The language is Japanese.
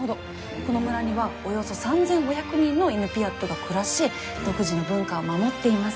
この村にはおよそ３，５００人のイヌピアットが暮らし独自の文化を守っています。